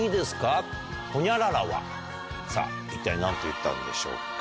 さぁ一体何と言ったんでしょうか？